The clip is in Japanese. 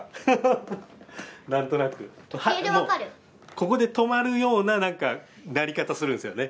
ここで止まるような何か鳴り方するんですよね